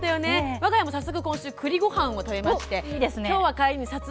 わが家も早速今週くりごはんを食べました。